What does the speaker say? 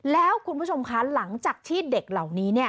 แล้วคุณผู้ชมคะหลังจากที่เด็กเหล่านี้